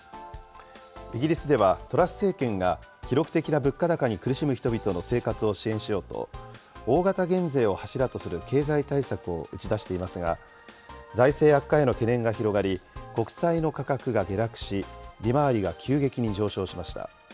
イギリスでは、トラス政権が記録的な物価高に苦しむ人々の生活を支援しようと、大型減税を柱とする経済対策を打ち出していますが、財政悪化への懸念が広がり、国債の価格が下落し、利回りが急激に上昇しました。